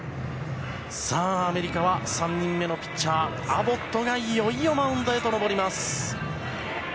さあ、アメリカは３人目のピッチャー、アボットがいよいよマウンドへと上ります。